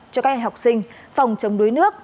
cho các học sinh phòng chống đuối nước